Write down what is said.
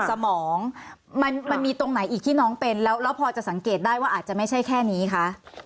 สมองมันมีตรงไหนอีกที่น้องเป็นแล้วพอจะสังเกตได้ว่าอาจจะไม่ใช่แค่นี้คะ